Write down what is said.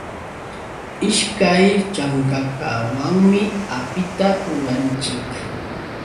Ishkay chankakawanmi apita ruranchik.